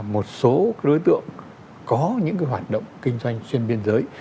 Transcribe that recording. một số đối tượng có những hoạt động kinh doanh xuyên biên giới